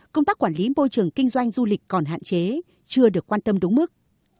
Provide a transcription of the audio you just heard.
công tác quản lý môi trường kinh doanh du lịch còn hạn chế chưa được quan tâm đúng mức